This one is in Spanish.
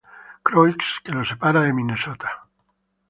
Croix, que lo separa de Minnesota.